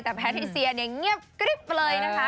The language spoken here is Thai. แต่แพทิเซียเนี่ยเงียบกริ๊บเลยนะคะ